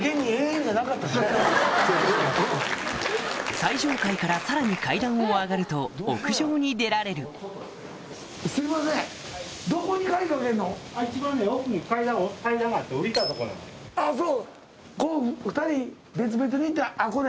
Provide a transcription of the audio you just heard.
最上階からさらに階段を上がると屋上に出られるあぁそう。